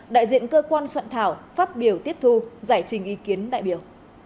đại diện cơ quan soạn thảo phát biểu tiếp thu giải trình ý kiến đại biểu